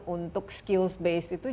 untuk skills base itu